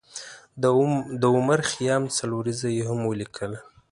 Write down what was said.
د عمر خیام څلوریځه یې هم ولیکله.